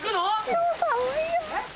今日寒いよ。